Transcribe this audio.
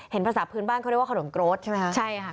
เห็นภาษาพื้นบ้านเขาเรียกว่าขนมโกรธใช่ไหมคะ